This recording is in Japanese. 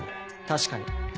確かに。